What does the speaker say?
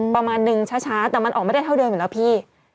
ประมาณนึงช้าแต่มันออกไม่ได้เท่าเดิมอยู่แล้วพี่